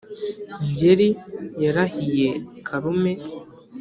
ngeri yarahiye karume